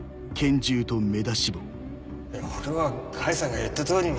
いや俺は甲斐さんが言った通りに。